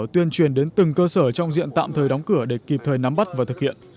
tuyên truyền đến từng cơ sở trong diện tạm thời đóng cửa để kịp thời nắm bắt và thực hiện